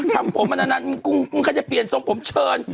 ทำผมมานานานแค่จะเปลี่ยนสมผมเชิญ